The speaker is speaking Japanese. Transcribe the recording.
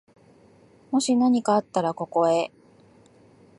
もしなにかあったら、ここへ。